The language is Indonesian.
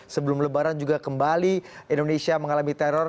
sebelum lebaran juga kembali indonesia mengalami teror